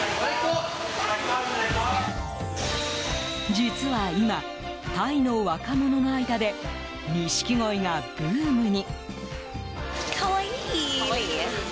実は今、タイの若者の間でニシキゴイがブームに。